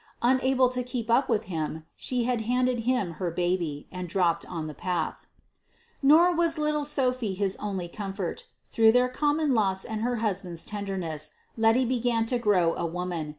Unable to keep up with him, she had handed him her baby, and dropped on the path. Nor was little Sophy his only comfort. Through their common loss and her husband's tenderness, Letty began to grow a woman.